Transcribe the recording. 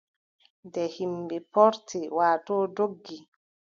Nde yimɓe poorti, waatoo doggi,